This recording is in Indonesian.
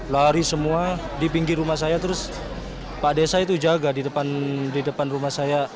lari semua di pinggir rumah saya terus pak desa itu jaga di depan rumah saya